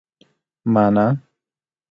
مانا